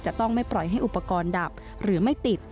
จะต้องไม่ปล่อยให้อุปกรณ์ดับหรือไม่ติด